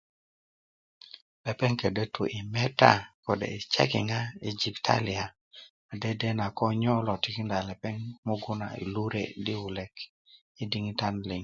lepeŋ ködö tu yi meta kode' yi sekiŋa yi jibitaliya a dedena ko nyo lo tikinda lepeŋ mugun na yi lure' yi diŋitan liŋ